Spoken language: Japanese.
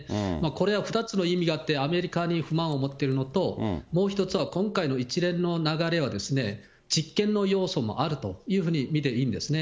これは２つの意味があって、アメリカに不満を持ってるのと、もう一つは、今回の一連の流れは実験の要素もあると見ていいんですね。